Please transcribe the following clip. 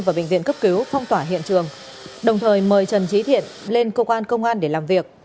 và bệnh viện cấp cứu phong tỏa hiện trường đồng thời mời trần trí thiện lên cơ quan công an để làm việc